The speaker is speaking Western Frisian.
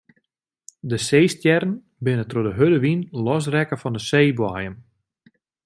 De seestjerren binne troch de hurde wyn losrekke fan de seeboaiem.